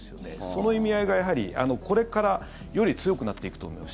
その意味合いがやはり、これからより強くなっていくと思います。